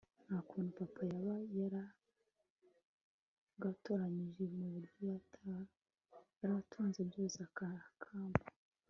ntakuntu papa yaba yaragatoranyije mubyo yaratunze byose akakampa